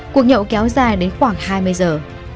cuộc nhậu kéo dài đến khoảng hai mươi giờ